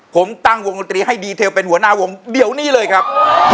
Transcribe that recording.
ผมตั้งวงดนตรีให้ดีเทลเป็นหัวหน้าวงเดี๋ยวนี้เลยครับ